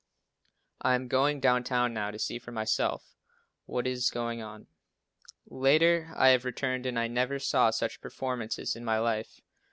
I am going down town now, to see for myself, what is going on. Later I have returned and I never saw such performances in my life.